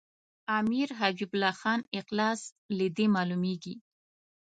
امیر حبیب الله خان اخلاص له دې معلومیږي.